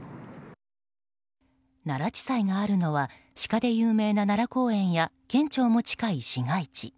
奈良地裁があるのはシカで有名な奈良公園や県庁も近い市街地。